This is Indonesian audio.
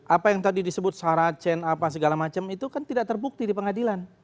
apa yang tadi disebut saracen apa segala macam itu kan tidak terbukti di pengadilan